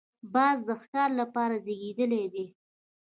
باز د ښکار لپاره زېږېدلی دی